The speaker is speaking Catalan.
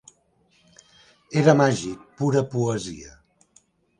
Era màgic, pura poesia.